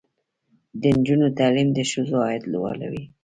د نجونو تعلیم د ښځو عاید لوړوي.